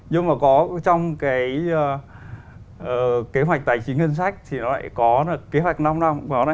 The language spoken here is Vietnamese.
nhưng mà có trong cái kế hoạch tài chính ngân sách thì nó lại có kế hoạch năm năm